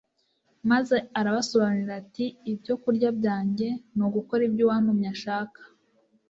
maze arabasobanurira ati, “Ibyokurya byanjye ni ugukora ibyo uwantumye ashaka,